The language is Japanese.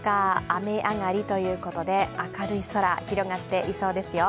雨上がりということで明るい空、広がっていそうですよ。